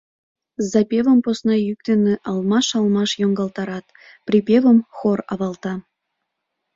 Запевым посна йӱк дене алмаш-алмаш йоҥгалтарат, припевым хор авалта.